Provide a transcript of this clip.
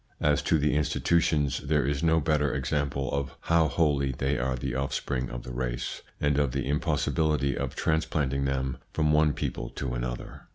As to the institutions, there is no better example of how wholly they are the offspring of the race, and of the impossibility of transplanting them from one people to another.